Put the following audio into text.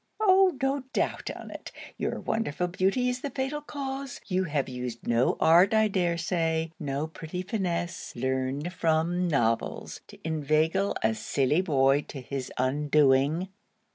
'Oh, no doubt on't. Your wonderful beauty is the fatal cause. You have used no art, I dare say; no pretty finesse, learned from novels, to inveigle a silly boy to his undoing.'